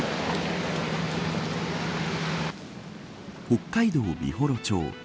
北海道美幌町。